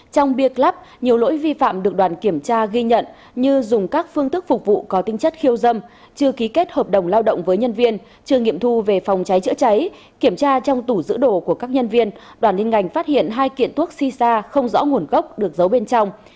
trong việc lắp nhiều lỗi vi phạm được đoàn kiểm tra ghi nhận như dùng các phương thức phục vụ có tinh chất khiêu dâm chưa ký kết hợp đồng lao động với nhân viên chưa nghiệm thu về phòng cháy chữa cháy kiểm tra trong tủ giữ đồ của các nhân viên đoàn liên ngành phát hiện hai kiện thuốc si sa không rõ nguồn gốc được giấu bên trong